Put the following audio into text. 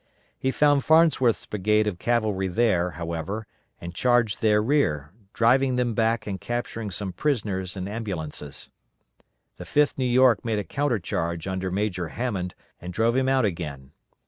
He found Farnsworth's brigade of cavalry there, however, and charged their rear, driving them back and capturing some prisoners and ambulances. The 5th New York made a counter charge under Major Hammond and drove him out again.